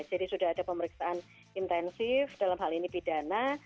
jadi sudah ada pemeriksaan intensif dalam hal ini pidana